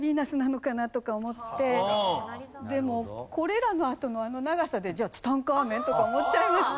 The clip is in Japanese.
でも「これら」のあとの長さでじゃあツタンカーメン？とか思っちゃいました。